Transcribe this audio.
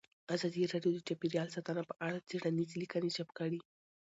ازادي راډیو د چاپیریال ساتنه په اړه څېړنیزې لیکنې چاپ کړي.